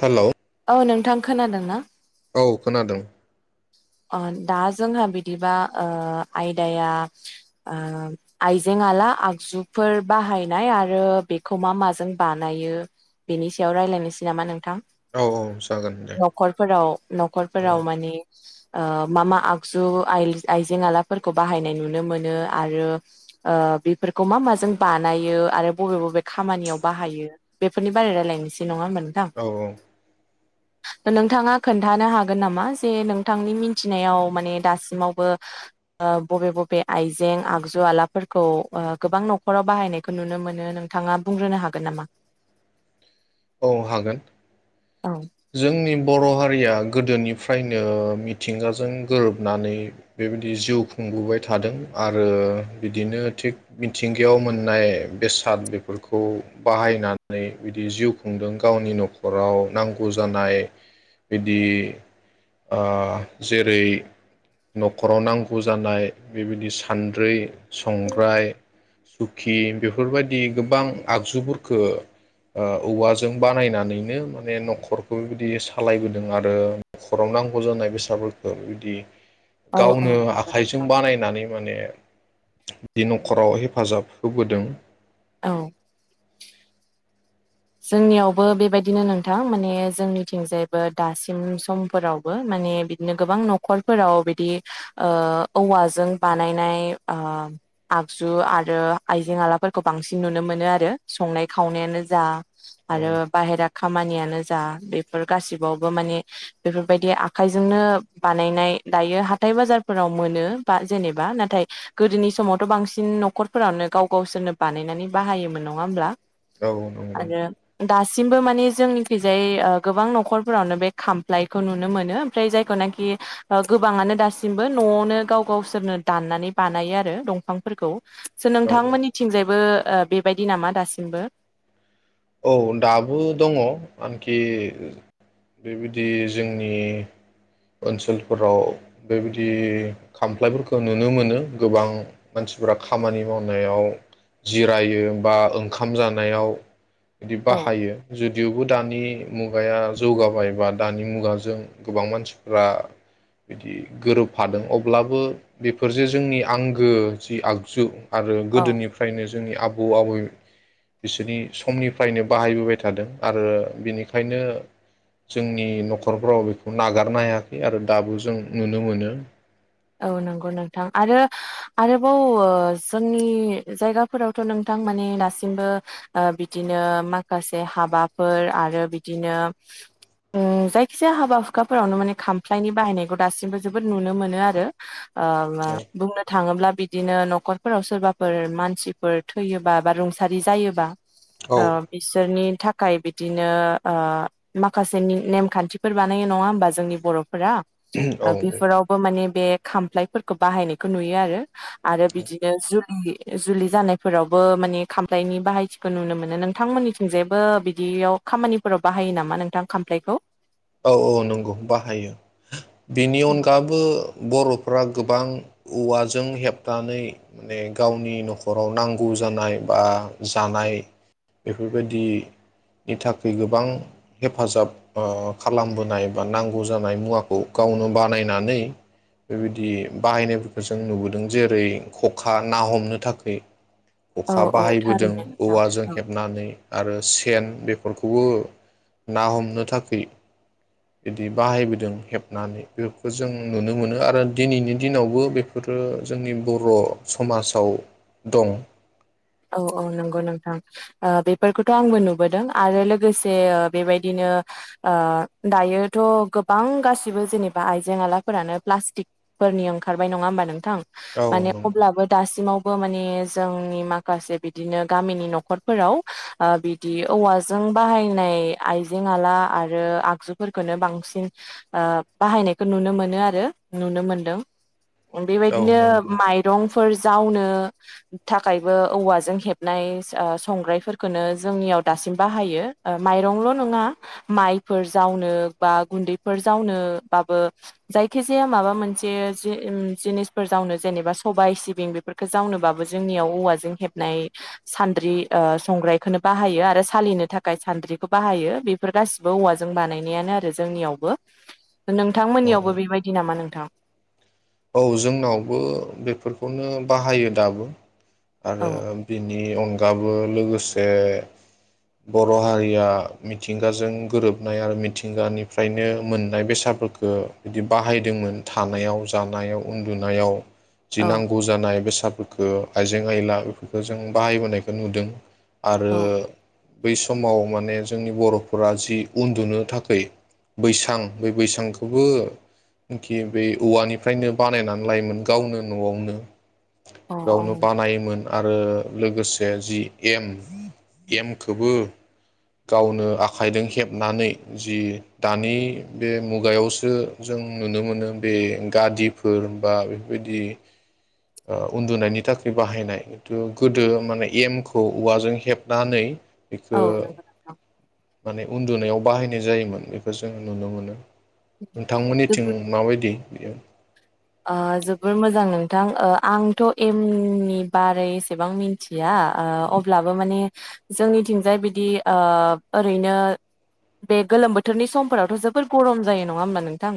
Hello. औ नोंथां खोनादोंना? औ खोनादों। अ दा जोंहा बिदिबा ओ आयदाया ओ आइजें आला आगजुफोर बाहायनाय आरो बेखौ मा माजों बानायो बेनि सायाव रायलायनोसै नामा नोंथां? औ औ जागोन दे न'खरफोराव औ न'खरफोराव माने ओ मा मा आगजु आइजें आलाफोरखौ बाहायनाय नुनो मोनो आरो ओ बेफोरखौ मा माजों बानायो आरो बबे बबे खामानियाव बाहायो बेफोरनि बारै रायलायनोसै नङा होनबा नों औ औ। नोंथाङा खोन्थानो हागोन नामा जे नों थांनि मिथिनायाव माने दासिमावबो ओ बबे बबे आइजें आगजु आलाफोरखौ ओ गोबां न'खराव बाहायनायखौ नुनो मोनो नोंथाङा बुंग्रोनो हागोन नामा? औ हागोन। औ जोंनि बर' हारिया गोदोनिफ्रायनो मिथिंगाजों गोरोबनानै बेबायदि जिउ खुंबोबाय थादों आरो बिदिनो थिग मिथिंगायाव मोननाय बेसाद बेफोरखौ बाहायनानै बिदि जिउ खुंदों गावनि न'खराव नांगौ नांगौ जानाय बिदि जेरै न'खराव नांगौ जानाय बेबायदि सान्द्रि संग्राय सुखि बेफोर बायदि गोबां आगजुफोरखो ओ औवाजों बानायनानैनो माने न'खर न'खरखौ बिबायदि सालायबोदों आरो न'खराव नांगौ जानाय बेसादफोरखौ बिबदि औ औ गावनो नंगौ आखाइजों नोंथां बानायनानै माने बि न'खराव हे हेफाजाब होबोदों। औ। जोंनियावबो बेबायदिनो नोंथां माने जोंनिथिंजायबो दासिम समफोरावबो माने बिदिनो गोबां न'खरफोराव बिदि ओ औवाजों बानायनाय ओ आगजु आरो आइजें आलाफोरखौ बांसिन नुनो मोनो आरो संनाय खावनायानो जा औ आरो बाहेरा खामानियानो जा बेफोर गासिबावबो माने बेफोरबायदि आखाइजोंनो बानायनाय दायो हाथाय बाजारफोराव मोनो बा जेनेबा नाथाय गोदोनि समावथ' बांसिन न'खरफोरावनो गाव गावसोरनो बानायनानै बाहायोमोन नङा होमब्ला? औ। नंगौ आरो दासिमबो मानि जोंनिखैजाय ओ गोबां न'खरफोरावनो बे खामफ्लायखौ नुनो मोनो ओमफ्राय जायखौ नाखि ओ गोबाङानो दासिमबो न'आवनो गाव गावसोरनो दाननानै बानायो आरो दंफांफोरखौ। औ नोंथांमोननिथिंजाय बो ओ बेबायदि नामा दासिमबो? औ दाबो दङ आनखि बेबायदि जोंनि ओनसोलफोराव बेबायदि खामफ्लायफोरखौ नुनो मोनो गोबां मानसिफोरा खामानि मावनायाव जिरायो बा ओंखाम जानायाव बिदि औ बाहायो जुदिअबो दानि मुगाया जौगाबाय बा दानि मुगाजों गोबां मानसिफ्रा बिदि गोरोबफादों अब्लाबो बेफोर जे जोंनि आंगो जि आगजु आरो औ गोदोनिफ्रायनो जोंनि आबौ आबै बिसोरनि समनिफ फ्रायनो बाहायबोबाय थादों आरो बेनिखायनो जोंनि न'खरफ्राव बेखौ नागारनो हायाखै आरो दाबो जों नुनो मोनो। औ नंगौ नोंथां आरो आरोबाव ओ जोंनि जायगाफोरावथ' नोंथां माने दासिमबो ओ बिदिनो माखासे हाबाफोर आरो बिदिनो ओ जायखिजाया हाबा-हुखाफोरावनो माने खामफ्लायनि बाहायनायखौ दासिमबो जोबोद नुनो मोनो आरो। [unintelligible] ओ मा बुंनो थाङोब्ला बिदिनो न'खरफोराव सोरबाफोर मानसिफोर थैयोबा बा रुंसारि जायोबा औ अ बिसोरनि थाखाय बिदिनो ओ माखासे नेमखान्थिफोर बानायो नङा होमबा जोंनि बर' फोर औ ओ बेफोरावबो माने बे खामफ्लायफोरखौ बाहायनायखौ नुयो आरो। आरो बिदिनो जुल जुलि जानायफोरावबो माने खामफ्लायनि बाहायथिखौ नुनो मोनो। नोंथांमोननिथिंजायबो बिदियाव खामानिफोराव बाहायो नामा नोंथां खामफ्लायखौ? औ औ नंगौ बाहायो बेनि अनगाबो बर' फोरा गोबां औवाजों हेबनानै माने गावनि न'खराव नांगौ जानाय बा जानाय बेफोरबायदिनि थाखाय गोबां हेफाजाब ओ खालामबोनाय बा नांगौ जानाय मुवाखौ गावनो बानायनानै बेबायदि बाहायनायफोरखौ जों नुबोदों जेरै खखा ना हमनो थाखोय। औ खखा औ बाहायबोदों थारैनो नोंथां औवाजों औ हेबनानै आरो सेन बेफोरखौबो ना हमनो थाखै बिदि बाहायबोदों हेबनानै बेफोरखौ जों नुनो मोनो आरो दिनैनि दिनावबो बेफोरो जोंनि बर' समाजाव दं। औ औ नंगौ नोंथां ओ बेफोरखौथ' आंबो नुबोदों आरो लोगोसे बेबायदिनो ओ दायोथ' गोबां गासिबो जेनेबा आइजें आलाफोरानो प्लास्टिकफोरनि ओंखारबाय नङा होमबा नोंथां? औ माने नंगौ अब्लाबो दासिमाव माने जोंनि मा माखासे बिदिनो गामिनि न'खरफोराव ओ बिदि औवाजों बाहायनाय आइजें आला आरो आगजुफोरखोनो बांसिन ओ बाहायनायखौ नुनो मोनो आरो नुनो मोनदों। औ बेबायदिनो नंगौ माइरंफोर जावनो थाखाय बो औवाजों हेबनाय ओ संग्रायफोरखोनो जोंनियाव दासिम बाहायो ओ माइरंल' नङा माइफोर जावनो बा गुन्दैफोर जावनो बाबो जायखि जाया माबा मोनसे जि ओ जिनिसफोर जावनो जेनेबा सबाय सिबिं बेफोरखो जावनोबाबो जोंनिआव औवा जों हेबनाय सान्द्रि ओ संग्रायखोनो बाहायो आरो सालिनो थाखाय सान्द्रिखौ बाहायो बेफोर गासिबो औवाजों बानायनायानो आरो जोंनियावबो। औ नोंथांमोननियावबो बेबायदि नामा नोंथां? औ जोंनावबो बेफोरखौनो बाहायो दाबो। आरो औ बिनि ए अनगाबो लोगोसे बर' हारिया मिथिंगाजों गोरोबनाय आरो मिथिंगानिफ्रायनो मोननाय बेसादफोरखौ बिदि बाहायदोंमोन थानायाव। जानायाव उन्दुनायाव। जि औ नांगौ जानाय बे फोरखौ आइजें आयला बेफोरखौ जों बाहायबोनायखौ नुदों। आरो औ बै समाव माने जोंनि बर'फोरा जि उन्दुनो थाखै, बैसां बै बैसांखौबोखि बै औवानि फ्रायनो बानायनानै लायोमोन गावनो न'आवनो। अ औ गावनो बानायोमोन। आरो लोगोसे जि एम, एमखौबो गावनो आखाइजों हेबनानै, जि दानि बे मुगायावसो जों नुनो मोनो बे गादिफोर बा बेफोरबायदि उन्दुनायनि थाखाय बाहायनाय खिन्थु गोदो माने एमखौ औवाजों हेबनानै औ बेखौ नोंगौ नोंथां। माने उन्दुनायाव बाहायनाय जायोमोन बेखौ जोङो नुनो मोनो। नोंथांमोननिथिं जोबोद माबायदि? बेयो ओ जोबोर मोजां नोंथां, ओ आंथ' एमनि बारै एसेबां मिथिया, ओ अब्लाबो माने जोंनिथिंजाय बिदि ओ ओरैनो बे गोलोम बोथोरनि समफोरावथ' जोबोर गरम जायो नङा होमब्ला नोंथां?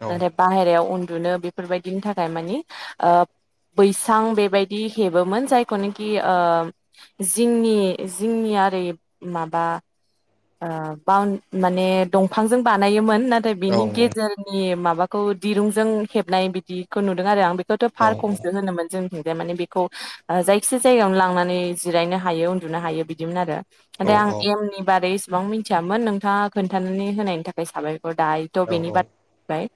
औ बाहेरायाव उन्दुनो बे बेफोरबायदिनि थाखाय माने, ओ बैसां बेबायदि हेबोमोन जायखौनोखि ओ जिंनि जिंनिआरि माबा ओ बान माने दंफांजों बानायोमोन। नाथाय औ बिनि गेजेरनि माबा खौ दिरुंजों हेबनाय बिदिखौ नुदों आरो आं बे खौथ' औ फारखंसो होनोमोन जों। माने बेखौ जायखिजाया जायगायावनो लांनानै जिरायनो हायो उन्दुनो हायो बिदिमोन आरो। औ दा एमनि बादै गोबां मिथियामोन नोंथाङा खोन्थानानै होनायनि थाखाय साबाय दायोथ' औ बेनि औ बादबाय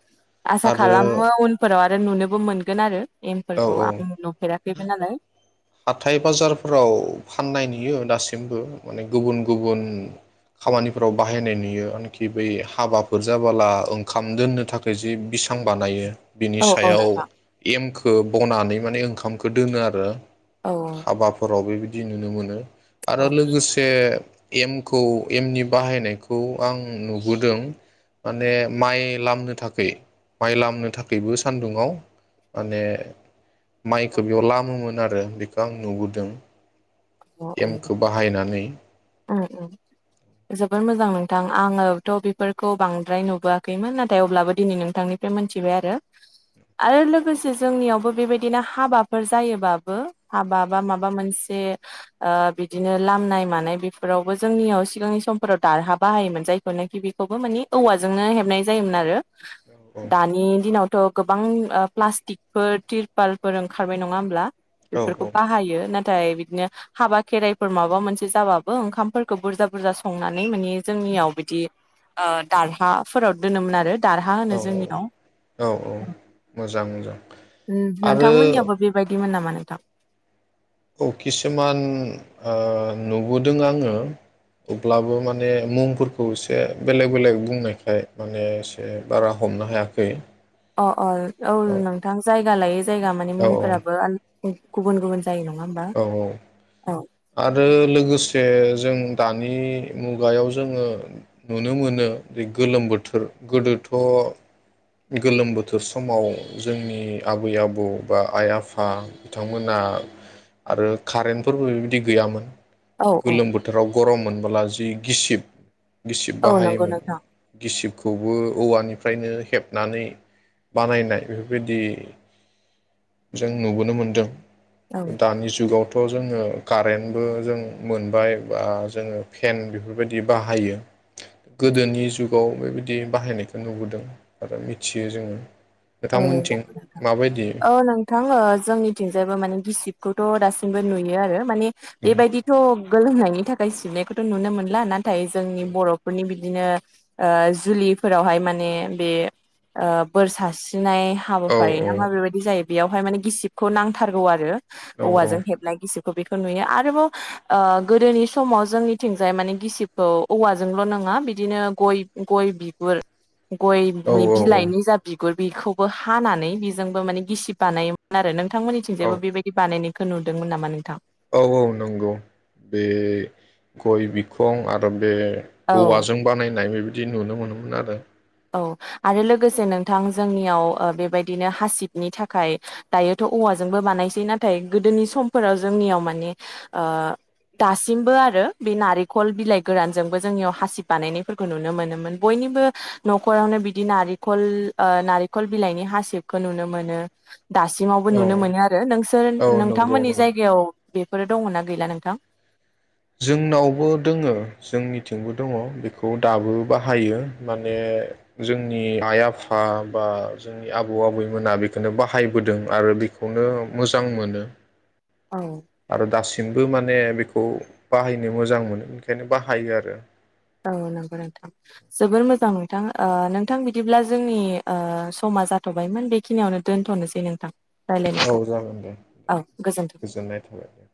आसा आरो खालामो उनफोराव आरो नुनोबो मोनगोन आरो। औ एमफोरखौ औ आं नुफेराखैमोन नालाय। हाथाय बाजारफ्राव फाननाय नुयो दासिमबो माने गुबुन गुबुन खामानिफ्राव बाहायनाय नुयो, आरोनखि बै हाबाफोर जाबोला ओंखाम दोननो थाखाय जि बिसां बानायो। बिनि औ औ सायाव नोंथां एमखौ बनानै माने ओंखाम खामखो दोनो आरो। औ हाबाफोराव बेबायदि। बिदि नुनो मोनो। आरो औ लोगोसे एमखौ एमनि बाहायनायखौ आं नुबोदों माने माइ लामनो थाखाय माइ लामनो थाखायबो सान्दुुंआव माने माइखौ बेयाव लामोमोन आरो। [unintelligible] बेखौ आं नुबोदों। अ औ उम एमखौ बाहायनानै उम जोबोर मोजांमोन। नोंथां आङोथ' बेफोरखौ बांद्राय नुबोआखैमोन नाथाय अब्लाबो दिनै नोंथांनिफ्राय मोनथिबाय आरो आरो लोगोसे जोंनियावबो बेबायदिनो हाबाफोर जायोबाबो हाबा बा माबा मोनसे ओ बिदिनो लामनाय मानाय बेफोरावबो जोंनियाव सिगांनि समफोराव दारहा बाहायोमोन जायखौनोखि बेखौबो मानि औवाजोंनो हेबनाय जायोमोन आरो। औ दानि दिनावथ' गोबां ओ प्लास्टिकफोर तिरपालफोर ओंखारबाय नङा होमब्ला? औ बेफोरखौ बाहायो ना थाय बिदिनो हाबा खेराइफोर माबा मोनसे जाबाबो ओंखामफोरखौ बुरजा बुरजा संनानै माने जोंनियाव बिदि ओ दारहाफोराव दोनोमोन आरो। दारहा होनो औ जोंनियाव औ मोजां मोजां ओम आरो नोंथांमोननियावबो बेबायदिमोन नामा? नोंथां औ किसुमान नुबोदों आङो अब्लाबो माने मुंफोरखौ एसे बेलेग बेलेग बुंनायखाय माने एसे बारा हमनो हायाखै। अ अ औ नोंथां जायगा लायो जायगा माने औ मुंफोराबो आं गुबुन गुबुन जायो नङा होमबा औ औ। आरो लोगोसे जों दानि मुगायाव जोङो नुनो मोनो गोलोम बोथोर गोदोथ' गोलोम बोथोर समाव जोंनि आबै आबौ बा आइ आफा बिथांमोना आरो कारेन्टफोरबो बिदि गैयामोन। औ औ गोलोम बोथोराव गरममोन। होमब्ला जि गिसिब गिसिब औ नंगौ बाहायोमोन नोंथां गिसिबखौबो औवानिफ्राय फ्रायनो हेबनानै बानायनाय बेफोरबायदि जों नुबोनो मोनदों। औ दानि जुगावथ' थ' जोङो कारेन्टबो जों मोनबाय बा जोङो फेन बेफोरबायदि बाहायो गोदोनि जुगाव बेबायदि बाहायनायखौ नुबोदों आरो मिथियो जोङो। औ नोंथांमोनथिं माबायदि औ नोंथां जोंनिथिंजायबो माने गिसि खौथ' दासिमबो नुयो आरो। माने बेबायदिथ' गोलोमनायनि थाखाय सिबनायखौथ' नुनो मोनला ना नाथाय जोंनि बर'फोरनि बि बिदिनो जुलिफोरावहाय माने बे ओ बोरसा नाय औ हाबाफारि नामा बेबायदि जायो। बेवहाय माने गिसिबखौ नांथारगौ आरो। औ औवाजों हेबनाय गिसि बेखौ नुयो आरोबाव गोदोनि समाव जोंनिथिंजाय माने गिसिबखौ औवाजोंल' नङा बिदिनो गय गय बिगुर गयनि औ बिलाइनि जा बिगुर बेखौबो हानानै बेजोंबो माने गिसिब बानायोमोन आरो नों औ नोंथांमोननिथिंजायबो बेबायदि बानायनायनि खौ नुदोंमोन नामा नोंथां? औ औ नंगौ बे गय बिखं आरो बे औ औवाजों बानायनाय बेदि बिदि नुनो मोनोमोन आरो औ आरो लोगोसे नोंथां जोंनियाव बेबायदिनो हासिबनि थाखाय दायोथ' औवाजोंबो बानायसै नाथाय गोदोनि समफोराव जोंनियाव माने दासिमबो आरो बे नारेंखल बिलाइ गोरानजोंबो जोंनियाव हासिब बानायनायफोरखौ नुनो मोनोमोन बयनिबो न'खरावनो बिदि नारेंखल ओ नारेंखल बिलाइनि हासिबखौ नुनो मोनो। दासिमावबो औ नुनो मोनो आरो नोंसोर औ नंगौ नोंथांमोननि नंगौ जायगायाव बेफोरो दङ ना गैला नोंथां? जोंनावबो दोङो जोंनिथिंबो दङ बेखौ दाबो बाहायो माने जोंनि आइ आफा बा जोंनि आबौ आबैमोना बेखौनो बाहायबोदों आरो बेखौनो मोजां मोनो औ आरो दासिमबो माने बेखौ बाहायनो मोजां मोनो बेनिखायनो बाहायो आरो औ नंगौ नोंथां जोबोर मोजां नोंथां ओ नोंथां बिदिब्ला जोंनि ओ समा जाथ'बायमोन बेखिनियावनो दोनथ'नोसै नोंथां। औ रायलायनायखौ जागोन दे औ गोजोन्थों गोजोननाय थाबाय